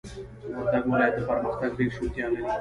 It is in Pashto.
وردگ ولايت د پرمختگ ډېره شونتيا لري،